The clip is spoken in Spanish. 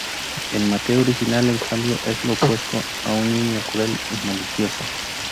El Mateo original, en cambio, es lo opuesto, un niño cruel y malicioso.